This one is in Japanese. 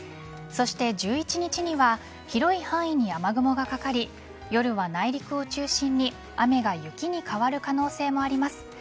そして１１日には広い範囲に雨雲がかかり夜は内陸を中心に雨が雪に変わる可能性もあります。